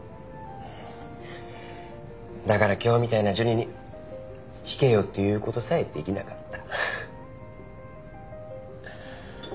だから今日みたいなジュニに弾けよって言うことさえできなかった。